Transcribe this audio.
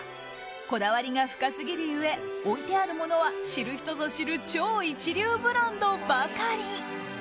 こだわりが深すぎる故置いてあるものは知る人ぞ知る超一流ブランドばかり。